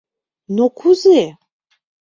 — Но кузе?